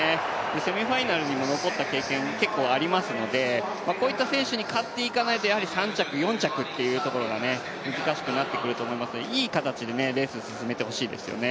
セミファイナルにも残った経験結構ありますのでこういった選手に勝っていかないと３着、４着というところが難しくなってくると思いますが、いい形でレースを進めていってほしいですね。